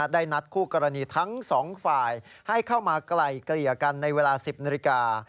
ได้นัดคู่กรณีทั้งสองฝ่ายให้เข้ามาไกลเกลี่ยกันในเวลา๑๐นาฬิกา